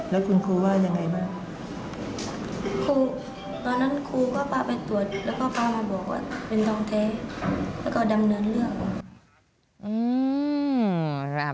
แล้วก็ดำเนื้อเลือก